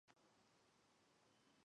又得河南郡酸枣县。